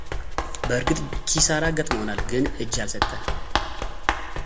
በእረግጥ ኪሰራ ገጥሞና ግን እጅ አልሰጠንም።